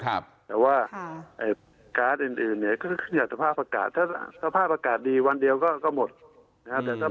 แต่ว่าการ์ดอื่นเนี่ยก็ขยับสภาพอากาศถ้าสภาพอากาศดีวันเดียวก็หมดนะครับ